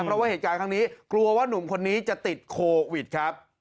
เพราะว่าเหตุการณ์ครั้งนี้กลัวว่านุ่มคนนี้จะติดโควิดครับ